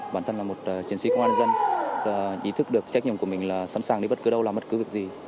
bản thân là một chiến sĩ công an nhân dân ý thức được trách nhiệm của mình là sẵn sàng đi bất cứ đâu làm bất cứ việc gì